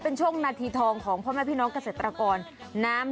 เป็นช่วงนาทีทองของพ่อแม่พี่น้องเกษตรกรน้ำ